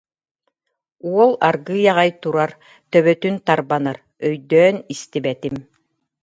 Уол аргыый аҕай турар, төбөтүн тарбанар: «Өйдөөн истибэтим»